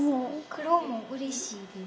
黒もうれしいです。